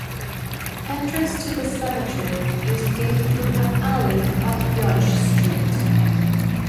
Entrance to the cemetery is gained through an alley off Yonge Street.